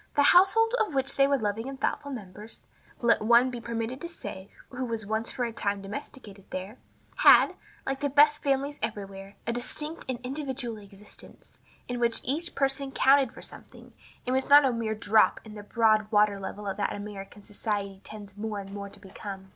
The household of which they were loving and thoughtful members (let one be permitted to say who was for a time domesticated there) had, like the best families everywhere, a distinct and individual existence, in which each person counted for something, and was not a mere drop in the broad water level that American society tends more and more to become.